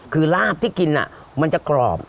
คือลาบที่กินมันจะกรอบ